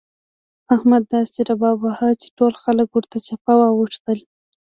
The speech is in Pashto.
احمد داسې رباب وواهه چې ټول خلګ ورته چپه واوښتل.